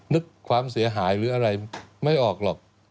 ความเสียหายหรืออะไรไม่ออกหรอก